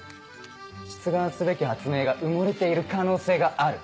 「出願すべき発明が埋もれている可能性がある」。